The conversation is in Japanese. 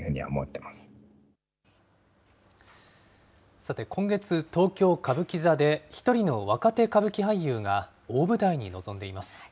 さて、今月、東京・歌舞伎座で、１人の若手歌舞伎俳優が大舞台に臨んでいます。